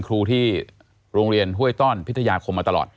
ครูลงเรียนห้วยต้อนพิธยาคมนะครับ